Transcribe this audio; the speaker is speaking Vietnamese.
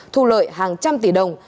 thu lợi hàng trăm tỷ đồng